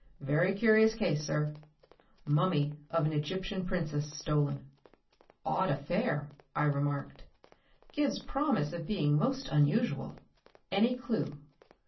"Very curious case, sir. Mummy of an Egyptian princess stolen." "Odd affair," I remarked. "Gives promise of being most unusual. Any clue?"